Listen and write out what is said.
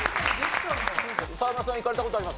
沢村さん行かれた事あります？